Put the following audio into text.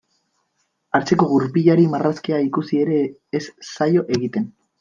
Atzeko gurpilari marrazkia ikusi ere ez zaio egiten.